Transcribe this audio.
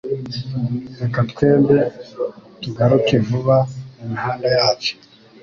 reka twembi tugaruke vuba mumihanda yacu